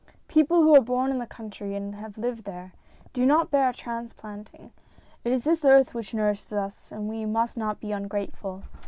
People who are born in the country and have lived here, do not bear trans planting. It is this earth which nourishes us, and we must not be ungrateful.